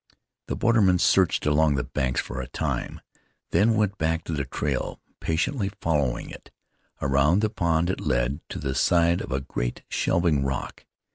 The borderman searched along the banks for a time, then went back to the trail, patiently following it. Around the pond it led to the side of a great, shelving rock.